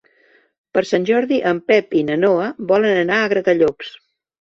Per Sant Jordi en Pep i na Noa volen anar a Gratallops.